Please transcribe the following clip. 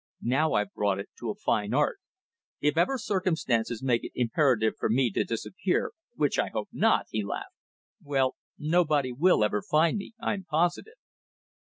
Now I've brought it to a fine art. If ever circumstances make it imperative for me to disappear which I hope not," he laughed, "well nobody will ever find me, I'm positive."